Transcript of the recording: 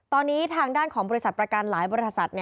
ตอนนี้ทางด้านของบริษัทประกันหลายบริษัท